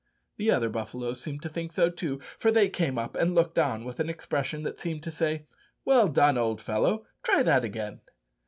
The other buffaloes seemed to think so too, for they came up and looked on with an expression that seemed to say, "Well done, old fellow; try that again!"